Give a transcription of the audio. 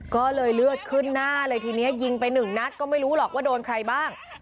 ก็เลยเลือดขึ้นหน้าเลยทีนี้ยิงไปหนึ่งนัดก็ไม่รู้หรอกว่าโดนใครบ้าง